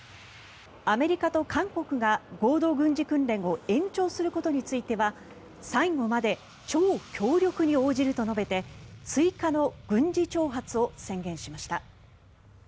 アメリカと韓国が合同軍事訓練を延長することについては最後まで超強力に応じると述べて追加の軍事挑発を宣言しました。